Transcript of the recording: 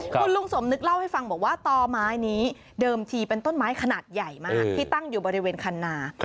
คุณลุงสมนึกเล่าให้ฟังบอกว่าต่อไม้นี้เดิมทีเป็นต้นไม้ขนาดใหญ่มากที่ตั้งอยู่บริเวณคันนา